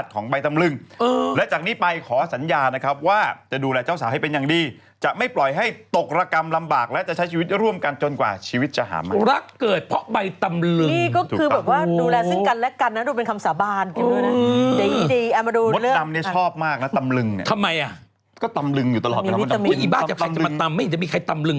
คือเขาบอกว่าเจ้าของบ้านถามว่าขนาดที่นอนอยู่ที่บ้านก็จะยินเสียงดังมาจากใต้ถุง